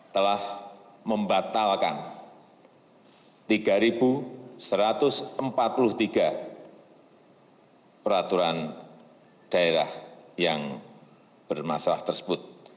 telah membatalkan tiga satu ratus empat puluh tiga peraturan daerah yang bermasalah tersebut